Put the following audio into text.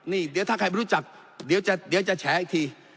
นี่เดี๋ยวถ้าใครไม่รู้จักเดี๋ยวจะแฉอีกที